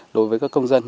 đối với các công dân